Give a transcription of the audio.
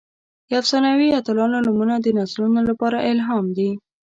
د افسانوي اتلانو نومونه د نسلونو لپاره الهام دي.